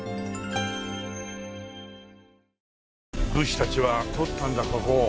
武士たちは通ったんだここを。